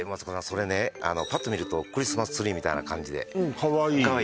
それねパッと見るとクリスマスツリーみたいな感じでうんカワイイ